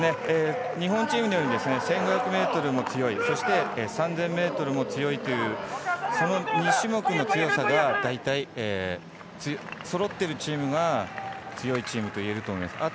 日本チームのように１５００ｍも強いそして３０００ｍも強いというその２種目の強さがだいたい、そろっているチームが強いチームといえると思います。